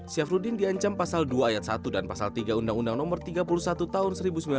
syafruddin diancam pasal dua ayat satu dan pasal tiga undang undang no tiga puluh satu tahun seribu sembilan ratus sembilan puluh